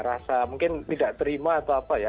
rasa mungkin tidak terima atau apa ya